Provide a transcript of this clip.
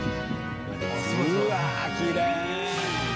うわあきれい！